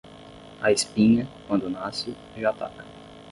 A espinha, quando nasce, já ataca.